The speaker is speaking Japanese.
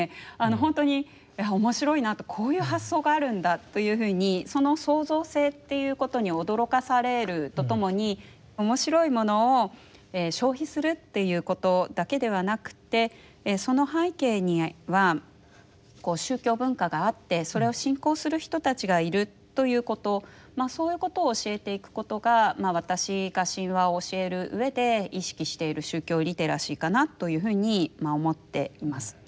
ほんとに面白いなとこういう発想があるんだというふうにその創造性っていうことに驚かされるとともに面白いものを消費するっていうことだけではなくてその背景には宗教文化があってそれを信仰する人たちがいるということそういうことを教えていくことが私が神話を教えるうえで意識している宗教リテラシーかなというふうに思っています。